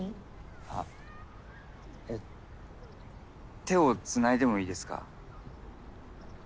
あっえっ手をつないでもいいですか？